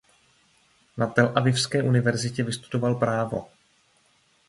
Na Telavivské univerzitě vystudoval právo.